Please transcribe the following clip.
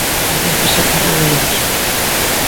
María José Parrado Alonso.